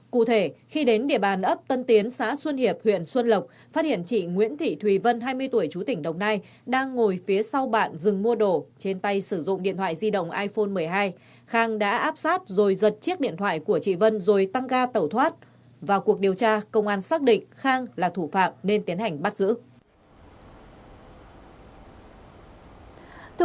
cụ thể khi đến địa bàn ấp tân tiến xã xuân hiệp huyện xuân lộc phát hiện chị nguyễn thị thùy vân hai mươi tuổi trú tỉnh đồng nai đang ngồi phía sau bạn dừng mua đồ trên tay sử dụng điện thoại di động iphone một mươi hai khang đã áp sát rồi giật chiếc điện thoại của chị vân rồi tăng ga tẩu thoát vào cuộc điều tra công an xác định khang là thủ phạm nên tiến hành bắt giữ